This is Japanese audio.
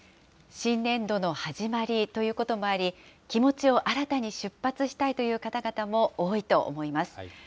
新年度の始まりということもあり、気持ちを新たに出発したいという方々も多いと思います。